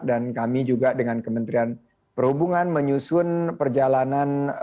dan kami juga dengan kementerian perhubungan menyusun perjalanan